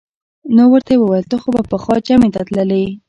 نو ورته یې وویل: ته خو به پخوا جمعې ته تللې.